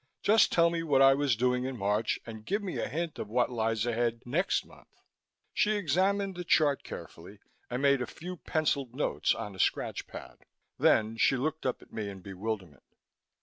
Just tell me what I was doing in March and give me a hint of what lies ahead next month." She examined the chart carefully and made a few pencilled notes on a scratch pad. Then she looked up at me in bewilderment.